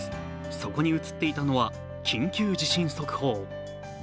そこに写っていたのは緊急地震速報。